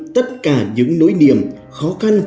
tất cả những nỗi niềm khó khăn